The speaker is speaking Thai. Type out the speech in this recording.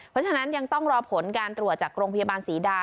เพราะฉะนั้นยังต้องรอผลการตรวจจากโรงพยาบาลศรีดา